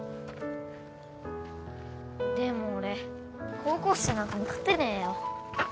でも俺高校生なんかに勝てねえよ